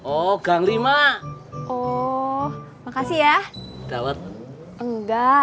oh kang lima oh makasih ya jawet enggak